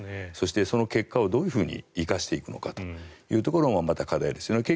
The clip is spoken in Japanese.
そして、その結果をどう生かしていくのかというところもまた課題ですよね。